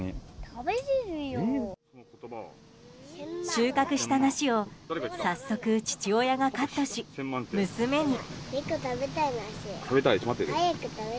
収穫した梨を早速父親がカットし、娘に。